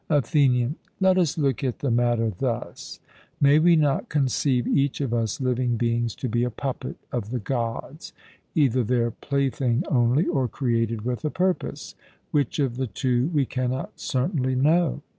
ATHENIAN: Let us look at the matter thus: May we not conceive each of us living beings to be a puppet of the Gods, either their plaything only, or created with a purpose which of the two we cannot certainly know?